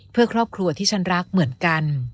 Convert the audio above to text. เพื่อครอบครัวที่ฉันรักเหมือนกัน